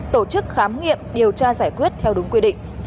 tổ chức khám nghiệm điều tra giải quyết theo đúng quy định